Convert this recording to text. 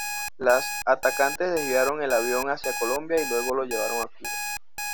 Los atacantes desviaron el avión hacia Colombia y luego lo llevaron a Cuba.